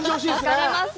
分かります。